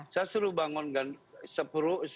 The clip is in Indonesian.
saya suruh bangun dan sepuru